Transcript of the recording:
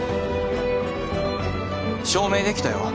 証明できたよ